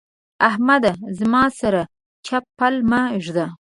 احمده! زما سره چپ پل مه اېږده.